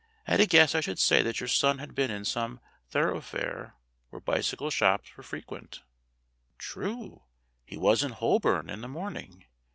At a guess I should say that your son had been in some thoroughfare where bicycle shops were fre quent." "True. He was in Holborn in the morning.